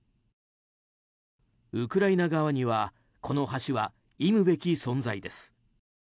ウクライナ側にはこの橋は忌むべき存在です。